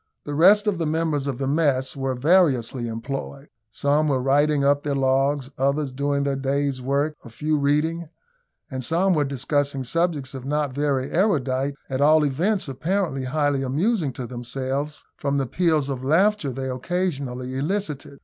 The rest of the members of the mess were variously employed. Some were writing up their logs; others doing their day's work; a few reading, and some were discussing subjects, if not very erudite, at all events, apparently highly amusing to themselves, from the peals of laughter they occasionally elicited.